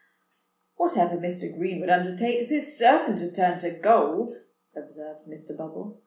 "Whatever Mr. Greenwood undertakes is certain to turn to gold," observed Mr. Bubble.